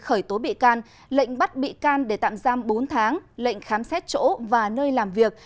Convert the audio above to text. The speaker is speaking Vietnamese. khởi tố bị can lệnh bắt bị can để tạm giam bốn tháng lệnh khám xét chỗ và nơi làm việc